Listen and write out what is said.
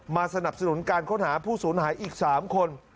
สนับสนุนการค้นหาผู้สูญหายอีก๓คน